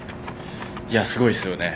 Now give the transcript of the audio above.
すごいですよね。